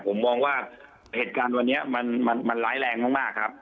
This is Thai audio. ผมมองว่าเหตุการณ์วันนี้มันร้ายแรงมากครับ